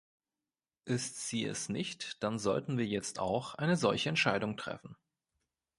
Ist sie es nicht, dann sollten wir jetzt auch eine solche Entscheidung treffen.